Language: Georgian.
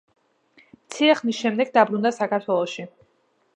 მცირე ხნის შემდეგ დაბრუნდა საქართველოში.